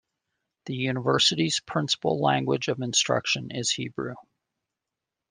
The university's principal language of instruction is Hebrew.